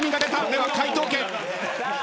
では解答権。